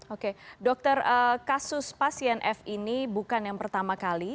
oke dokter kasus pasien f ini bukan yang pertama kali